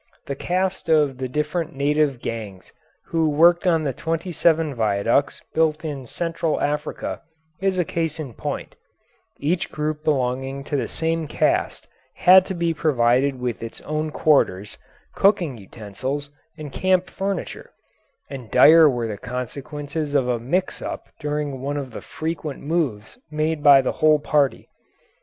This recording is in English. The caste of the different native gangs who worked on the twenty seven viaducts built in Central Africa is a case in point: each group belonging to the same caste had to be provided with its own quarters, cooking utensils, and camp furniture, and dire were the consequences of a mix up during one of the frequent moves made by the whole party.